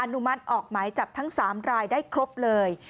นุมัติออกหมายจับทั้ง๓รายได้ครบเลย